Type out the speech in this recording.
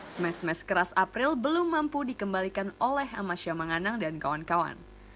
smash smash keras april belum mampu dikembalikan oleh amasya manganang dan kawan kawan